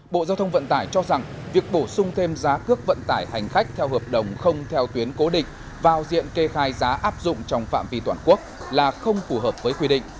bộ giao thông vận tải cho rằng việc bổ sung thêm giá cước vận tải hành khách theo hợp đồng không theo tuyến cố định vào diện kê khai giá áp dụng trong phạm vi toàn quốc là không phù hợp với quy định